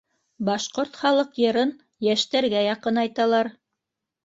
Башҡорт халыҡ йырын йәштәргә яҡынайталар.